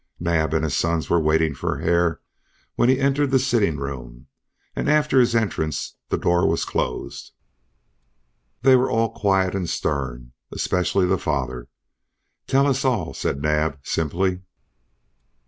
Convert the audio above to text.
Naab and his sons were waiting for Hare when he entered the sitting room, and after his entrance the door was closed. They were all quiet and stern, especially the father. "Tell us all," said Naab, simply.